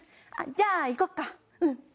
じゃあ行こうか。